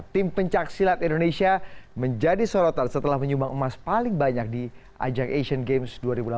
tim pencaksilat indonesia menjadi sorotan setelah menyumbang emas paling banyak di ajang asian games dua ribu delapan belas